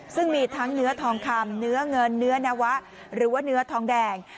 ซึ่งมีทั้งเนื้อทองคำเนื้อเงินเนื้อนวะหรือว่าเนื้อทองแดง